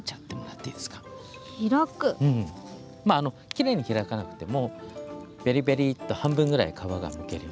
きれいに開かなくてもべりべりっと半分ぐらい皮がむける。